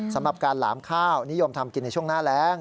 สำหรับการหลามข้าวนิยมทำกินในช่วงหน้าแรง